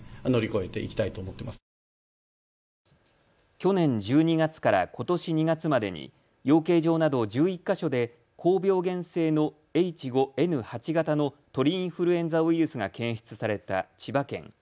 去年１２月からことし２月までに養鶏場など１１か所で高病原性のＨ５Ｎ８型の鳥インフルエンザウイルスが検出された千葉県。